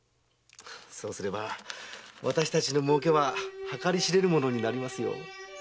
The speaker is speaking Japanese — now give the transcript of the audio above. そうすれば私たちの儲けは計り知れぬものになりますよ。